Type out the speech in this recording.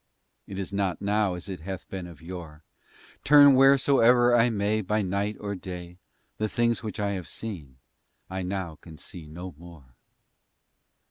It is not now as it hath been of yore;— Turn wheresoe'er I may, By night or day, The things which I have seen I now can see no more.